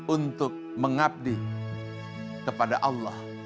untuk mengabdi kepada allah